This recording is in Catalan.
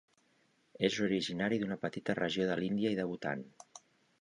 És originari d'una petita regió de l'Índia i de Bhutan.